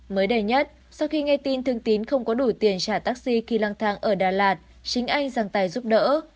mới đầy nhất sau khi nghe tin thương tín không có đủ tiền trả taxi khi lang thang ở đà lạt chính anh rằng tài giúp đỡ